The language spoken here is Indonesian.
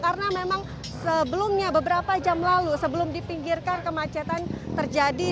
karena memang sebelumnya beberapa jam lalu sebelum dipinggirkan kemacetan terjadi